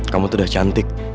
kamu tuh udah cantik